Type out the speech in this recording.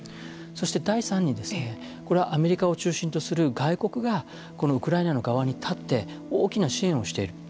そして、第３にこれはアメリカを中心とする外国がウクライナの側に立って大きな支援をしている。